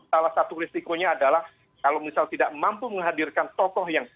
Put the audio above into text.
salah satu risikonya adalah kalau misal tidak mampu menghadirkan tokoh yang